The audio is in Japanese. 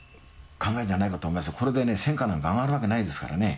これでね戦果なんか上がるわけないですからね。